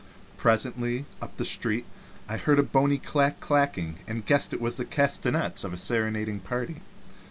Presently up the street I heard a bony clack clacking, and guessed it was the castanets of a serenading party.